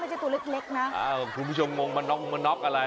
ไม่ใช่ตัวเล็กเล็กน่ะอ้าวคุณผู้ชมงงมานอคมานอคอะไรเออ